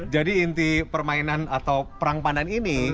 jadi inti permainan atau perang pandan ini